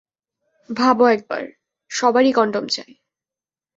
ভাবো একবার, সবারই কনডম চাই।